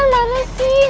ini pangeran mana sih